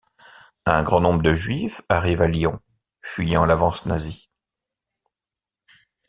Un grand nombre de juifs arrivent à Lyon, fuyant l’avance nazie.